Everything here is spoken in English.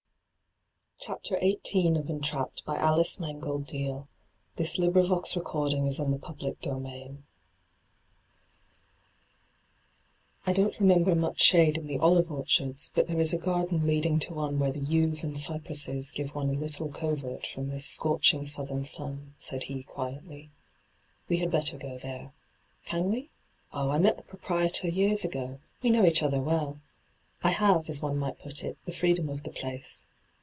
be shade in the orchards,' she added, glancing back over her shoulder at him. hyGoogIc ^ CHAPTEB XVIII ' I don't remember mach shade in the olire orcharda, bat there is a garden leading to one where the yews and cypresses g^ve one a little covert from this scorching southern sun,' said he quietly. ' We had better go there. Can we ? Oh, I met the proprietor years ago ; we know each other well. I have, as one might put it, the freedom of the place.